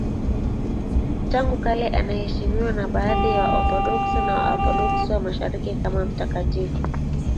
Tangu kale anaheshimiwa na baadhi ya Waorthodoksi na Waorthodoksi wa Mashariki kama mtakatifu.